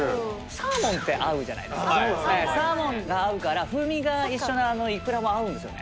サーモンって合うじゃないですかサーモンが合うから風味が一緒なイクラも合うんですよね